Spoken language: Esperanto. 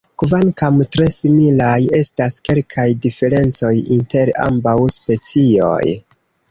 Kvankam tre similaj, estas kelkaj diferencoj inter ambaŭ specioj.